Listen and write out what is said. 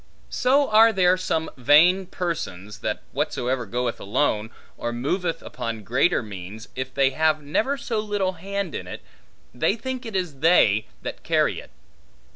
So are there some vain persons, that whatsoever goeth alone, or moveth upon greater means, if they have never so little hand in it, they think it is they that carry it.